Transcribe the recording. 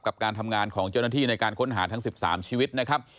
กับการทำงานของเจ้าหน้าที่ในการค้นหาทั้ง๑๓ชีวิตนะครับ